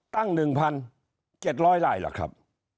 ตั้ง๑๗๐๐ไร่เหรอครับ